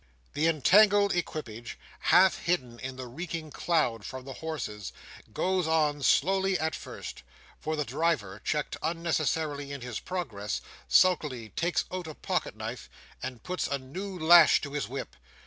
The entangled equipage, half hidden in the reeking cloud from the horses, goes on slowly at first, for the driver, checked unnecessarily in his progress, sulkily takes out a pocket knife, and puts a new lash to his whip.